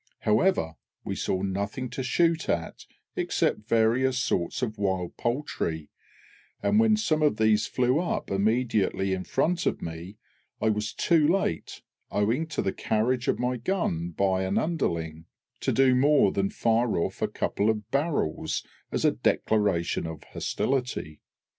However, we saw nothing to shoot at except various sorts of wild poultry, and when some of these flew up immediately in front of me, I was too late, owing to the carriage of my gun by an underling, to do more than fire off a couple of barrels as a declaration of hostility.